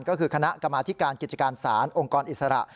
ก็คือคณะกรรมาธิการกิจการศาลองค์กรอิสระ